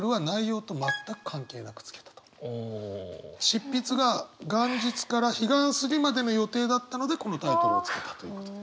執筆が元日から彼岸過ぎまでの予定だったのでこのタイトルをつけたということで。